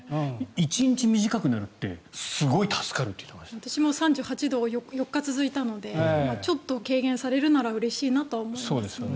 １日短くなるって私も３８度が４日続いたのでちょっと軽減されるならうれしいなとは思いますよね。